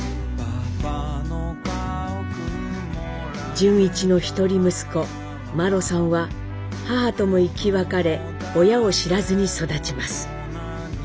潤一の一人息子麿さんは母とも生き別れ親を知らずに育ちます。